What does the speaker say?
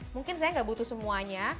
mungkin saya nggak butuh semuanya